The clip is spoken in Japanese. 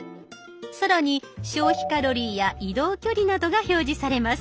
更に消費カロリーや移動距離などが表示されます。